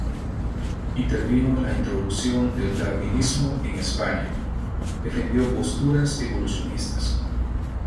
Intervino en la introducción del darwinismo en España, defendiendo posturas evolucionistas.